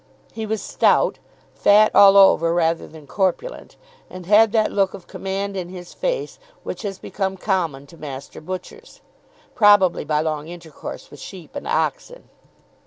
He was stout; fat all over rather than corpulent, and had that look of command in his face which has become common to master butchers, probably by long intercourse with sheep and oxen.